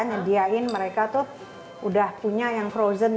nyediain mereka tuh udah punya yang frozen